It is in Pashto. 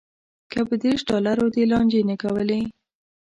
که په دېرش ډالرو دې لانجې نه کولی.